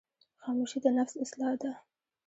خاموشي، د نفس اصلاح ده.